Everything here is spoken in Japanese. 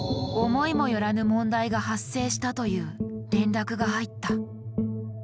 思いもよらぬ問題が発生したという連絡が入った。